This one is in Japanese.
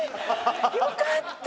よかった！